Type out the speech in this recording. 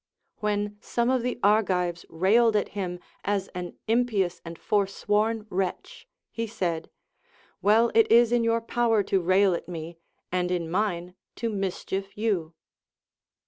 When some of the Argives railed at him as an impious and for sworn wretch, he said, Well, it is in your power to rail at me, and in mine to mischief you.